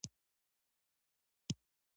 نجونې به تر هغه وخته پورې مسلکي زدکړې کوي.